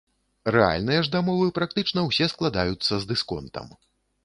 Рэальныя ж дамовы практычна ўсе складаюцца з дысконтам.